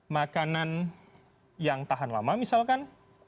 makanan yang tahan lama misalkan